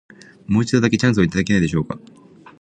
もう一度だけ、チャンスをいただけないでしょうか。